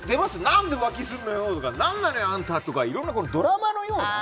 何で浮気するのよ！とか何なのよあんた！とかいろんなドラマのような。